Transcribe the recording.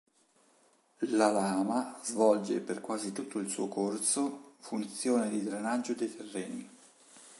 La Lama svolge per quasi tutto il suo corso funzione di drenaggio dei terreni.